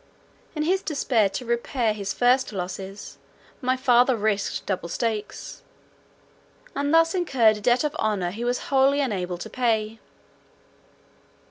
In his desire to repair his first losses, my father risked double stakes, and thus incurred a debt of honour he was wholly unable to pay.